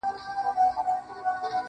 o د ژوند كولو د ريښتني انځور.